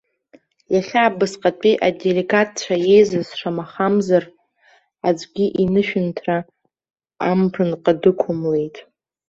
Иахьа абасҟатәи аделегатцәа еизаз, шамахамзар, аӡәгьы инышәынҭра амԥынҟа дықәымлеит.